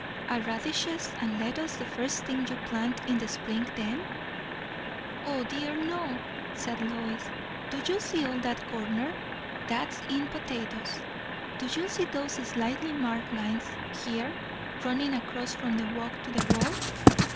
"Are radishes and lettuce the first thing you plant in the spring, then?" "O dear, no!" said Lois. "Do you see all that corner? that's in potatoes. Do you see those slightly marked lines here, running across from the walk to the wall?